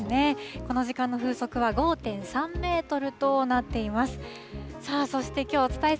この時間の風速は５．３メートルとなっています。